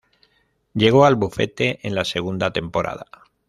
Llegó al bufete en la segunda temporada.